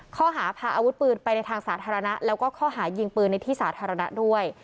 ข้อหาพาอาวุธปืนไปในทางสาธารณะแล้วก็ข้อหายิงปืนในที่สาธารณะด้วย